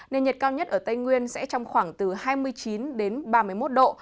nên nhiệt cao nhất ở tây nguyên sẽ trong khoảng từ hai mươi chín ba mươi một độ